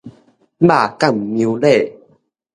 肉感娘嬭